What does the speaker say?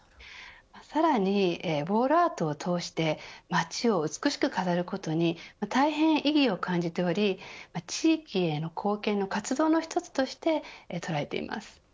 さらにウォールアートを通して街を美しく飾ることに大変意義を感じており地域への貢献の活動の一つとして捉えています。